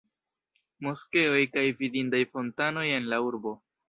Moskeoj kaj vidindaj fontanoj en la urbo.